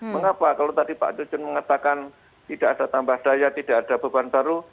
mengapa kalau tadi pak cucun mengatakan tidak ada tambah daya tidak ada beban baru